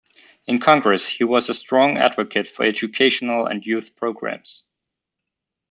In Congress he was a strong advocate for educational and youth programs.